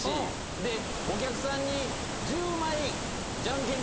お客さんに１０枚。